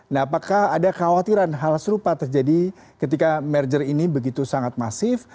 nah apakah ada khawatiran hal serupa terjadi ketika merger ini begitu sangat masif